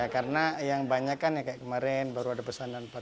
karena yang banyak kan kayak kemarin baru ada pesanan